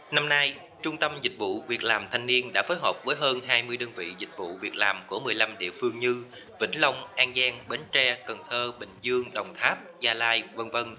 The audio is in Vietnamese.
năm nay trung tâm dịch vụ việc làm thanh niên đã phối hợp với hơn hai mươi đơn vị dịch vụ việc làm của một mươi năm địa phương như vĩnh long an giang bến tre cần thơ bình dương đồng tháp gia lai v v